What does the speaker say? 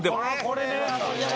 「これね！」